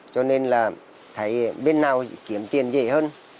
cho nên là thấy bên nào kiếm tiền dễ hơn